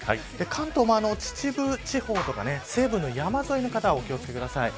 関東も秩父地方とか西部の山沿いの方はお気を付けください。